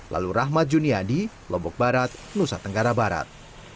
lalu rahmat juniadi lombok barat nusa tenggara barat